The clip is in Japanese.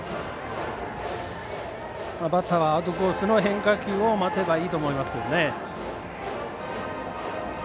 バッターはアウトコースの変化球を待てばいいと思います。